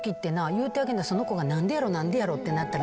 言うてあげなその子が何でやろ何でやろってなったら。